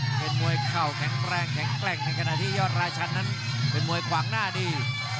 เป็นมวยเข่าแข็งแรงแข็งแกร่งในขณะที่ยอดราชันนั้นเป็นมวยขวางหน้าดี